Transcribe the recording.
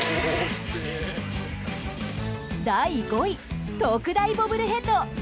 第５位、特大ボブルヘッド。